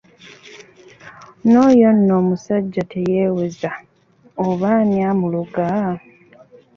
N'oyo nno omusajja teyeeweeza, oba ani amuloga!